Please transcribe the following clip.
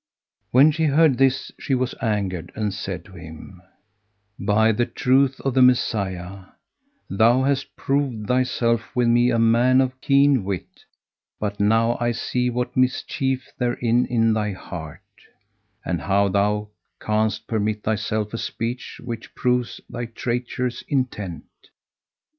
When she heard this she was angered and said to him, "By the truth of the Messiah, thou hast proved thyself with me a man of keen wit; but now I see what mischief there is in thy heart, and how thou canst permit thyself a speech which proveth thy traitorous intent.